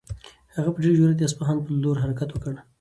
هغه په ډېر جرئت د اصفهان په لور حرکت وکړ.